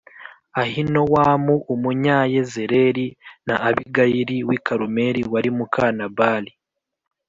ahinowamu umunyayezerēli na abigayili w’i karumeli, wari muka nabali